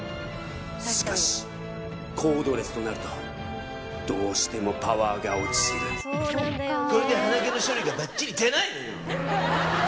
しかしコードレスとなるとどうしてもパワーが落ちるこれで鼻毛の処理がバッチリじゃないのよ！